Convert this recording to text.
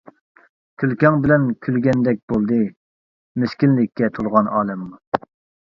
كۈلكەڭ بىلەن كۈلگەندەك بولدى، مىسكىنلىككە تولغان ئالەممۇ.